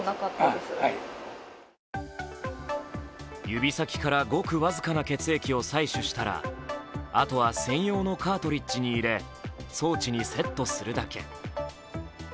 指先からごく僅かな血液を採取したら、あとは専用のカートリッジに入れ装置にセットするだけ。